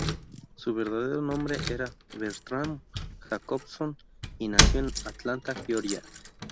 Su verdadero nombre era Bertram Jacobson, y nació en Atlanta, Georgia.